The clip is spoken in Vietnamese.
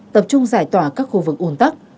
tập trung giải tỏa các khu vực ủn tắc